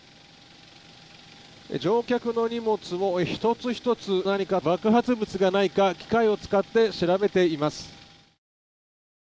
乗客の荷物を１つ１つ爆発物がないか機械を使って調べています。